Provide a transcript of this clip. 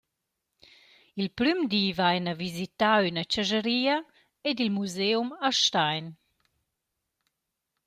Il prüm di vaina visità ün chascharia ed il museum a Stein.